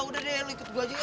udah deh lo ikut gue aja